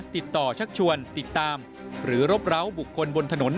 ชักชวนติดตามหรือรบร้าวบุคคลบนถนน